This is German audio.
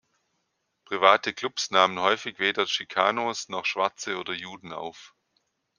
Private Clubs nahmen häufig weder Chicanos noch Schwarze oder Juden auf.